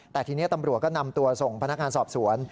แต่ทีนี้ตำรวจก็นำตัวส่งพนักงานสอบสวน